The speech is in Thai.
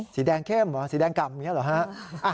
สีแดงเข้มเหรอสีแดงกล่ำอย่างนี้เหรอฮะ